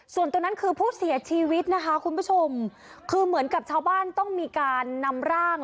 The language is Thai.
ส่วนตรงนั้นคือผู้เสียชีวิตนะคะคุณผู้ชมคือเหมือนกับชาวบ้านต้องมีการนำร่าง